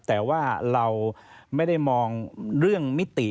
แต่ว่าเราไม่ได้มองเรื่องมิติ